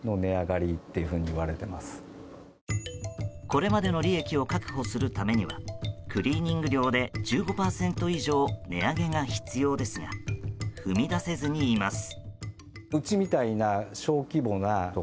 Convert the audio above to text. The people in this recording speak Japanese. これまでの利益を確保するためにはクリーニング料で１５％以上値上げが必要ですが踏み出せずにいます。